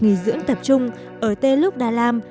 nghỉ dưỡng tập trung ở tê lúc đà lam